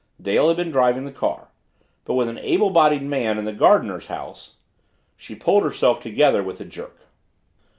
Dale had been driving the car. But with an able bodied man in the gardener's house She pulled herself together with a jerk.